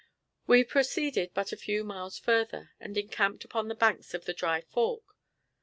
We proceeded but a few miles further, and encamped upon the banks of the Dry Fork.